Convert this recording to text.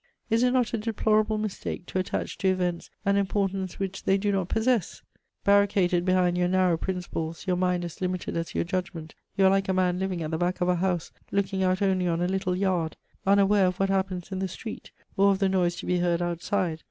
Is it not a deplorable mistake to attach to events an importance which they do not possess? Barricaded behind your narrow principles, your mind as limited as your judgment, you are like a man living at the back of a house, looking out only on a little yard, unaware of what happens in the street or of the noise to be heard outside.